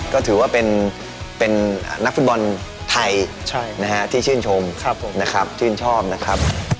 ก็ถือว่าเป็นนักฟุตบอลไทยที่ชื่นชมนะครับชื่นชอบนะครับ